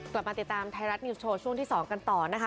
กลับมาติดตามไทยรัฐนิวส์โชว์ช่วงที่๒กันต่อนะคะ